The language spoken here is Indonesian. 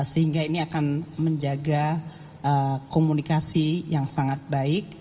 sehingga ini akan menjaga komunikasi yang sangat baik